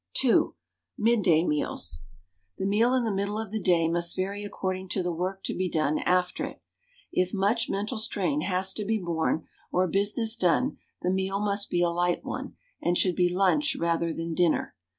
II. MIDDAY MEALS. The meal in the middle of the day must vary according to the work to be done after it. If much mental strain has to be borne or business done, the meal must be a light one, and should be lunch rather than dinner.